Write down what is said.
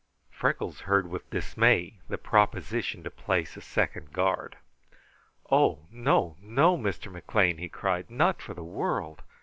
Freckles heard with dismay the proposition to place a second guard. "Oh! no, no, Mr. McLean," he cried. "Not for the world!